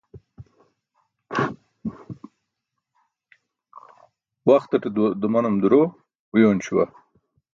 Waxtate dumanum duro uyoon śuwa